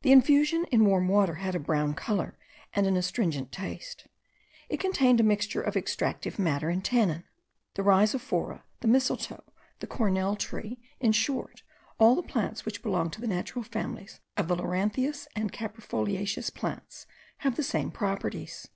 The infusion in warm water had a brown colour and an astringent taste. It contained a mixture of extractive matter and tannin. The rhizophora, the mistletoe, the cornel tree, in short, all the plants which belong to the natural families of the lorantheous and the caprifoliaceous plants, have the same properties.